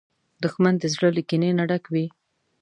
دښمن د زړه له کینې نه ډک وي